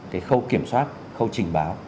cái khâu kiểm soát khâu trình báo